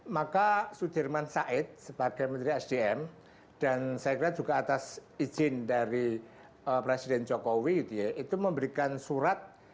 maka sudirman said sebagai menteri sdm dan saya kira juga atas izin dari presiden jokowi itu memberikan surat